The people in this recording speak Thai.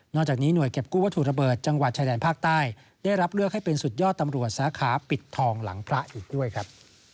จากนี้หน่วยเก็บกู้วัตถุระเบิดจังหวัดชายแดนภาคใต้ได้รับเลือกให้เป็นสุดยอดตำรวจสาขาปิดทองหลังพระอีกด้วยครับ